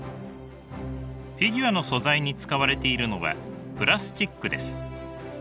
フィギュアの素材に使われているのはプラスチックです。